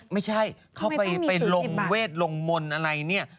ไม่ใช่เขาไปลงเวทลงมนต์อะไรเนี่ย